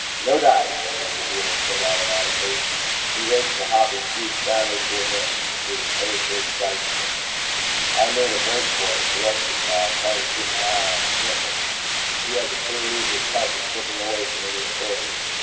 "No dice," one of the dealers said automatically. He raked the hopping cubes sadly to him with his hoe shaped dice stick. I made a break for it with the rest of the crowd, trying to keep my eye on Sniffles. But she had the sure loser's touch of slipping away from any authority.